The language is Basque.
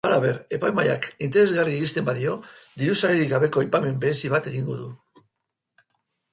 Halaber, epaimahaiak interesgarri irizten badio dirusaririk gabeko aipamen berezi bat egingo du.